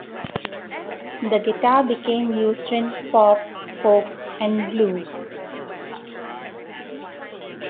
The guitar became used in pop, folk, and blues.